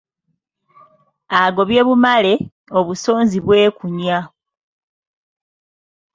Agobye bumale, obusonzi bwekunya.